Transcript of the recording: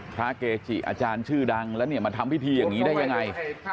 เกจิอาจารย์ชื่อดังแล้วเนี่ยมาทำพิธีอย่างนี้ได้ยังไง